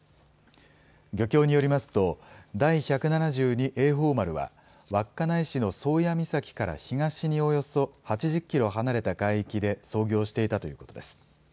漁協によりますと、第１７２瑩寳丸は、稚内市の宗谷岬から東におよそ８０キロ離れた海域で操業していたということです。